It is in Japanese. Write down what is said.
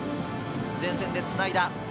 前線でつないだ。